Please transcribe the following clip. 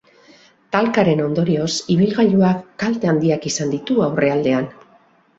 Talkaren ondorioz, ibilgailuak kalte handiak izan ditu aurrealdean.